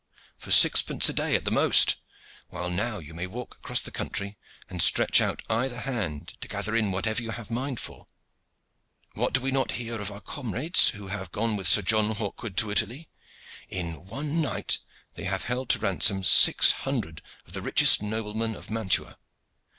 For sixpence a day, at the most; while now you may walk across the country and stretch out either hand to gather in whatever you have a mind for. What do we not hear of our comrades who have gone with Sir John Hawkwood to Italy? In one night they have held to ransom six hundred of the richest noblemen of Mantua.